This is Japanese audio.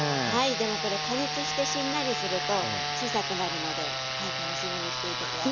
でもこれ加熱してしんなりすると小さくなるのではい楽しみにしていて下さい。